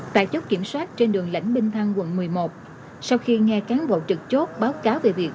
tại chốt kiểm soát trên đường lãnh minh thăng quận một mươi một sau khi nghe cán bộ trực chốt báo cáo về việc